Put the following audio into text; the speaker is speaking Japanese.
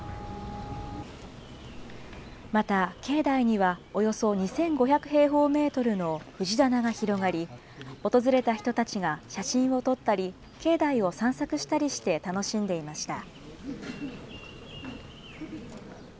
また、境内には、およそ２５００平方メートルの藤棚が広がり、訪れた人たちが写真を撮ったり、境内を散策したりして、楽しんでいました。